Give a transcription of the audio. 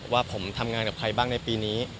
ว่าผมทำงานกับใครบ้างในปีนี้